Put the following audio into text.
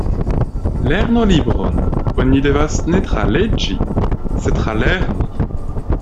Lernolibron oni devas ne traleĝi, sed tralerni.